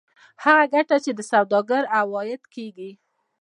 هغه ګټه چې د سوداګر عواید کېږي